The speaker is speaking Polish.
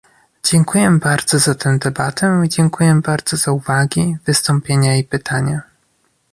Dziękuję bardzo za tę debatę i dziękuję bardzo za uwagi, wystąpienia i pytania